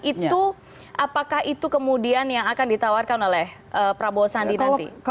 itu apakah itu kemudian yang akan ditawarkan oleh prabowo sandi nanti